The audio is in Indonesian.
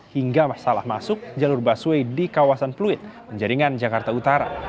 hingga masalah masuk jalur busway di kawasan pluit penjaringan jakarta utara